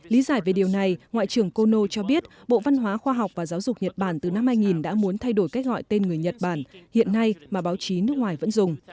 lý giải về điều này ngoại trưởng kono cho biết bộ văn hóa khoa học và giáo dục nhật bản từ năm hai nghìn đã muốn thay đổi cách gọi tên người nhật bản hiện nay mà báo chí nước ngoài vẫn dùng